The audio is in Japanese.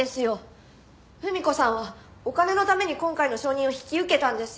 文子さんはお金のために今回の証人を引き受けたんです。